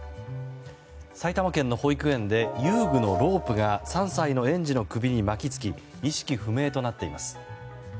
埼玉県の保育園で遊具のロープが３歳の園児の首に巻き付き意識不明となっています。